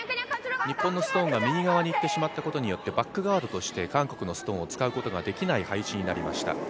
日本のストーンが右側にいってしまったことによって、バックガードとして韓国のストーンを使うことができない配置になりました。